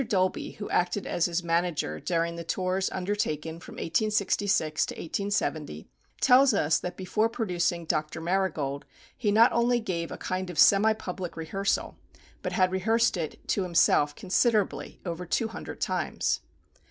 Dolby, who acted as his "manager," during the tours undertaken from 1866 to 1870, tells us that before producing "Dr. Marigold," he not only gave a kind of semi public rehearsal, but had rehearsed it to himself considerably over two hundred times.